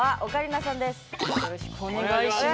よろしくお願いします。